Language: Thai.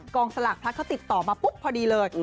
กองสลักพลักษณ์เขาติดต่อมาปุ๊บพอดีเลย